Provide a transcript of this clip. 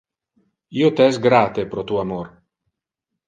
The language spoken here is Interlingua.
Io te es grate pro tu amor!